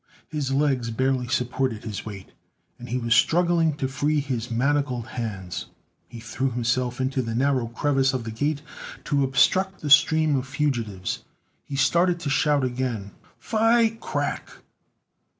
His legs barely supported his weight, and he was struggling to free his manacled hands. He threw himself into the narrow crevice of the Gate, to obstruct the stream of fugitives. He started to shout again: "Fi " Crack!